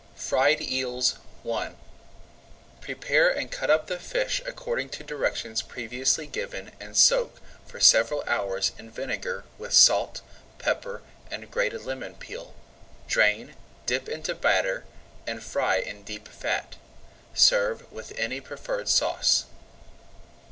[Page 115] FRIED EELS I Prepare and cut up the fish according to directions previously given and soak for several hours in vinegar with salt, pepper, and grated lemon peel. Drain, dip into batter, and fry in deep fat. Serve with any preferred sauce.